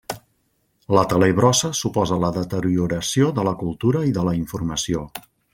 La telebrossa suposa la deterioració de la cultura i de la informació.